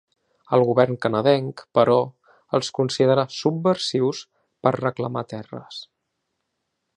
El govern canadenc, però, els considerà subversius per reclamar terres.